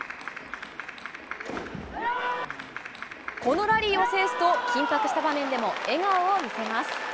このラリーを制すと、緊迫した場面でも笑顔を見せます。